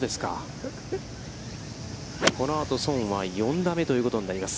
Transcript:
このあと、宋は４打目ということになります。